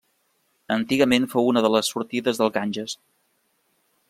Antigament fou una de les sortides del Ganges.